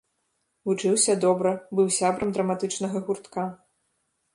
Вучыўся добра, быў сябрам драматычнага гуртка.